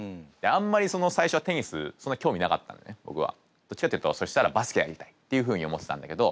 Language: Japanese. どっちかっていうとそしたらバスケやりたいっていうふうに思ってたんだけど。